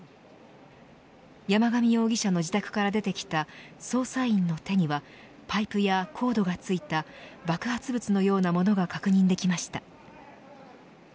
山上容疑者の自宅から出てきた捜査員の手にはパイプやコードがついた爆発物のようなものが確認できました。